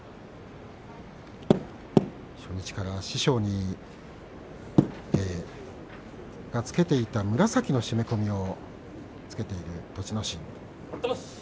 初日から師匠が着けていた紫の締め込みを着けている栃ノ心。